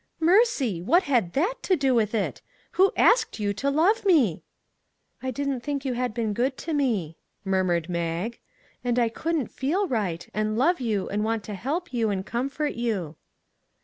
" Mercy ! What had that to do with it? Who asked you to love me ?"" I didn't think you had been good to me," murmured Mag, " and I couldn't feel right and love you, and want to help you, and comfort you."